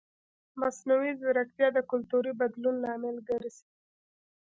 مصنوعي ځیرکتیا د کلتوري بدلون لامل ګرځي.